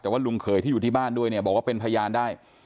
แต่ว่าลุงเขยที่อยู่ที่บ้านด้วยเนี่ยบอกว่าเป็นพยานได้